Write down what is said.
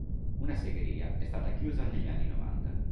Una segheria è stata chiusa negli anni novanta.